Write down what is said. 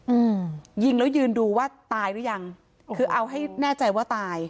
อืมยิงแล้วยืนดูว่าตายหรือยังคือเอาให้แน่ใจว่าตาย